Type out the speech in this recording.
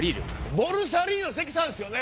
ボルサリーノ・関さんですよね？